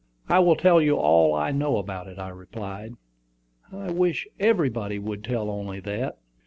"I will tell you all I know about it," I replied. "I wish everybody would tell only that."